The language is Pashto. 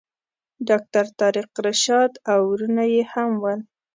ډاکټر طارق رشاد او وروڼه یې هم ول.